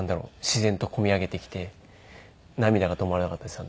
自然とこみ上げてきて涙が止まらなかったです